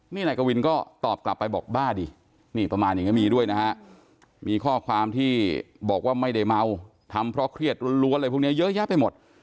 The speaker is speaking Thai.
นี่นายกวินก็ตอบกลับไปบอกบ้าดินี่ประมาณอย่างนี้มีด้วยนะฮะมีข้อความที่บอกว่าไม่ได้เมาทำเพราะเครียดล้วนอะไรพวกนี้เยอะแยะไปหมด